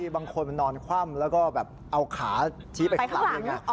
บางคนนอนขว่ำแล้วก็แบบเอาขาทีไปข้างหลัง